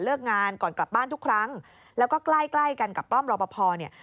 เลิกงานก่อนกลับบ้านทุกครั้งแล้วก็ใกล้กันกับป้อมรอบพอร์เนี่ย